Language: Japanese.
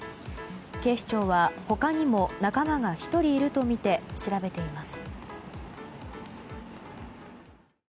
警視庁は他にも仲間が１人いるとみて調べています。